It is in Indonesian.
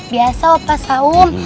biasa pak saum